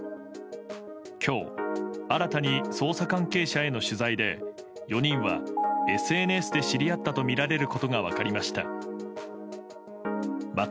今日新たに捜査関係者への取材で４人はＳＮＳで知り合ったとみられることが分かりました。